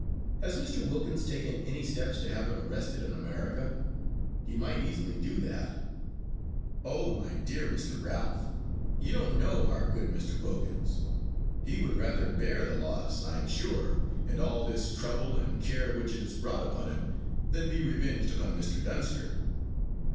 Has Mr. Wilkins taken any steps to have him arrested in America? He might easily do that." "Oh, my dear Mr. Ralph, you don't know our good Mr. Wilkins! He would rather bear the loss, I am sure, and all this trouble and care which it has brought upon him, than be revenged upon Mr. Dunster."